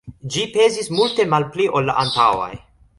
Ĝi pezis multe malpli ol la antaŭaj.